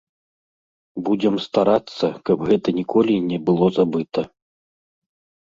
Будзем старацца, каб гэта ніколі не было забыта.